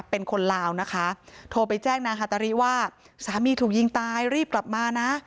เป็นคนลาวนะคะโทรไปแจ้งนางฮาตาริว่าสามีถูกยิงตายรีบกลับมานะ